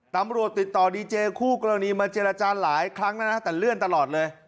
ตำรวจติดต่อดีเจคู่กรณีมาเจรจาหลายครั้งแล้วนะแต่เลื่อนตลอดเลย